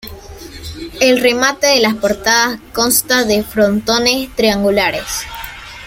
El remate de las portadas consta de frontones triangulares.